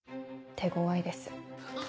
手ごわいです。